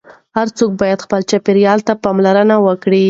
هر څوک باید خپل چاپیریال ته پاملرنه وکړي.